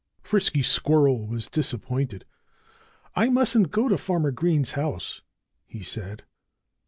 Frisky Squirrel was disappointed. "I mustn't go to Farmer Green's house," he said.